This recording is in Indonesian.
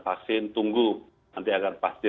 vaksin tunggu nanti akan pasti